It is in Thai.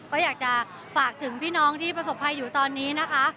ก็อยากจะฝากถึงพี่น้องที่ประสบภัยอยู่ตอนนี้นะคะ